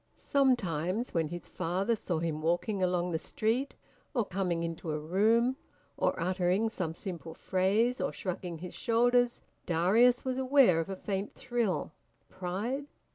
Sometimes when his father saw him walking along the street, or coming into a room, or uttering some simple phrase, or shrugging his shoulders, Darius was aware of a faint thrill. Pride?